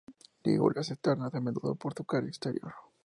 Lígulas externas a menudo por su cara exterior.